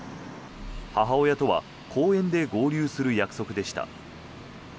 母親とは公園で合流する約束でした。